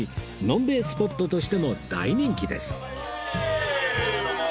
飲んべえスポットとしても大人気です